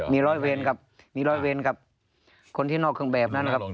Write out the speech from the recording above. มีร้อยเวรครับมีร้อยเวรกับคนที่นอกเครื่องแบบนั้นครับ